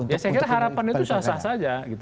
ya saya kira harapan itu sah sah saja